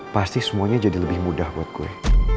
pasti semuanya jadi lebih mudah buat gue